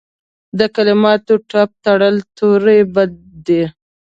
د کلماتو ټپ تر تورې بد دی.